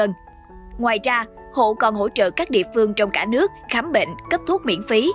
ngoài ra hộ còn hỗ trợ các địa phương trong cả nước khám bệnh cấp thuốc miễn phí